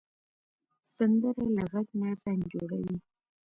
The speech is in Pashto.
سندره له غږ نه رنګ جوړوي